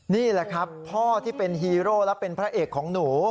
นี่แหละครับพ่อที่เป็นฮีโร่และเป็นพระเอกของหนู